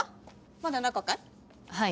まだ中かい？